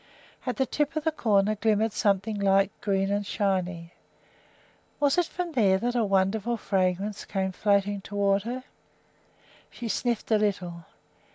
At the tip of the corner glimmered something light green and shiny. Was it from there that a fine, wonderful fragrance came floating toward her? She sniffed a little.